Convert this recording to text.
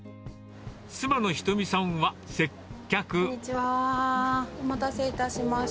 妻のひとみさんは接客。